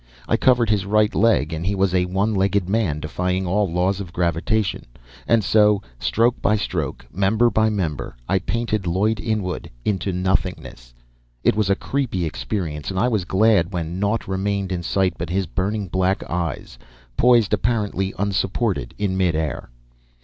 I covered his right leg, and he was a one legged man defying all laws of gravitation. And so, stroke by stroke, member by member, I painted Lloyd Inwood into nothingness. It was a creepy experience, and I was glad when naught remained in sight but his burning black eyes, poised apparently unsupported in mid air.